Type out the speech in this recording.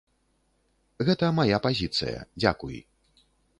Гэта мая пазіцыя, дзякуй.